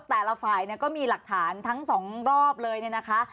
แต่ละฝ่ายก็มีหลักฐานทั้งสองรอบเลยนะคะ